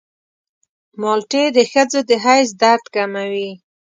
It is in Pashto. مالټې د ښځو د حیض درد کموي.